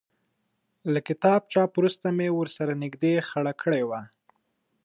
له کتاب چاپ وروسته مې ورسره نږدې خړه کړې وه.